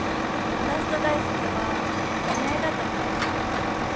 私と大介はお見合いだったからさ。